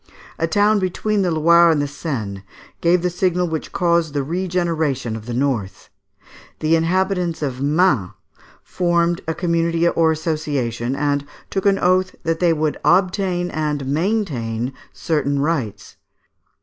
A town between the Loire and the Seine gave the signal which caused the regeneration of the North. The inhabitants of Mans formed a community or association, and took an oath that they would obtain and maintain certain rights.